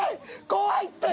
怖いって！